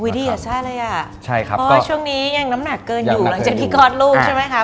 ดีอ่ะซ่าแล้วช่วงนี้ยังน้ำหนักเกินอยู่หลังจากที่กอดลูกใช่ไหมครับ